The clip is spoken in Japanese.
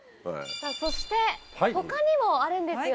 さぁそして他にもあるんですよね？